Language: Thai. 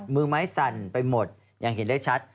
มือไม้สั่นไปหมดอย่างเห็นได้ชัด